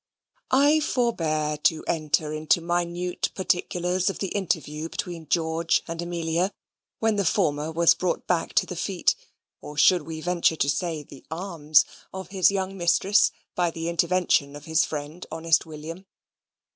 I forbear to enter into minute particulars of the interview between George and Amelia, when the former was brought back to the feet (or should we venture to say the arms?) of his young mistress by the intervention of his friend honest William.